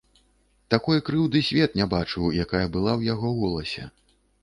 Такой крыўды свет не бачыў, якая была ў яго голасе.